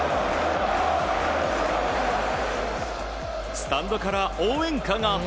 スタンドから応援歌が。